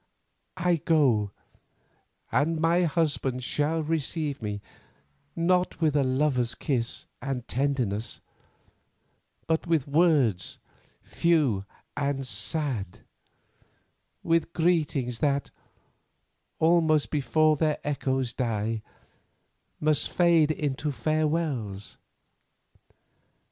I go, and my husband shall receive me, not with a lover's kiss and tenderness, but with words few and sad, with greetings that, almost before their echoes die, must fade into farewells.